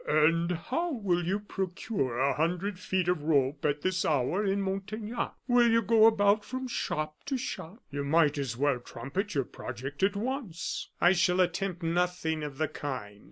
"And how will you procure a hundred feet of rope at this hour in Montaignac? Will you go about from shop to shop? You might as well trumpet your project at once." "I shall attempt nothing of the kind.